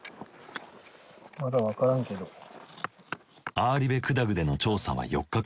アーリベクダグでの調査は４日間。